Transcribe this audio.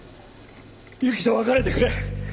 ユキと別れてくれ！